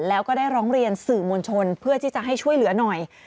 แล้วก็ได้ร้องเรียนสื่อมวลชนเพื่อที่จะให้ช่วยเหลือหน่อย